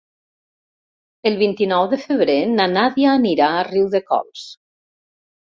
El vint-i-nou de febrer na Nàdia anirà a Riudecols.